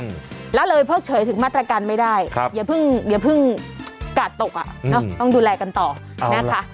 แล้วเราไปเพิ่งเฉยถึงมาตรการไม่ได้อย่าเพิ่งกะตกอ่ะต้องดูแลกันต่อนะคะ